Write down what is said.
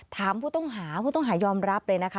ถามผู้ต้องหายอมรับเลยนะคะ